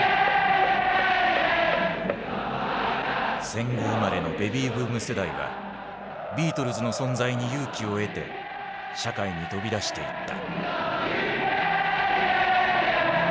戦後生まれのベビーブーム世代はビートルズの存在に勇気を得て社会に飛び出していった。